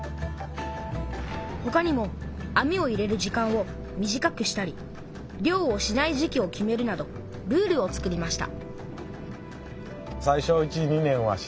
ほかにも網を入れる時間を短くしたり漁をしない時期を決めるなどルールを作りました